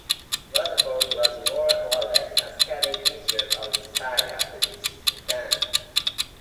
Rutherford was more or less a steady feature of the side after his return.